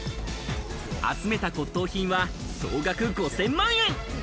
集めた骨董品は総額５０００万円。